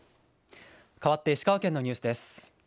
かわって石川県のニュースです。